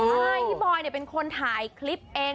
ใช่พี่บอยเป็นคนถ่ายคลิปเอง